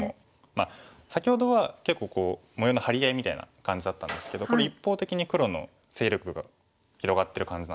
まあ先ほどは結構模様の張り合いみたいな感じだったんですけどこれ一方的に黒の勢力が広がってる感じなんですよね。